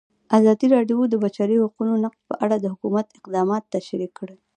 ازادي راډیو د د بشري حقونو نقض په اړه د حکومت اقدامات تشریح کړي.